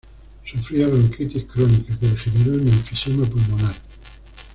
Sufría bronquitis crónica, que degeneró en enfisema pulmonar.